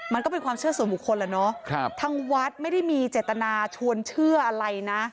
มันก็เป็นความเชื่อส่วนบุคคลแหละเนาะทางวัดไม่ได้มีเจตนาชวนเชื่ออะไรนะ